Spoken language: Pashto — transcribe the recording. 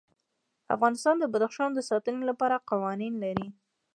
افغانستان د بدخشان د ساتنې لپاره قوانین لري.